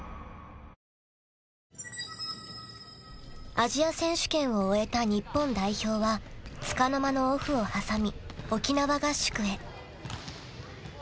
［アジア選手権を終えた日本代表はつかの間のオフを挟み沖縄合宿へ］